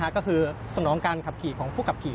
ก็คือสนองการขับขี่ของผู้ขับขี่